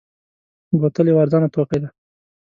بوتل یو ارزانه توکی دی.